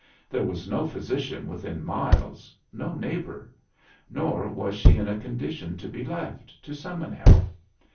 There was no physician within miles, no neighbor; nor was she in a condition to be left, to summon help.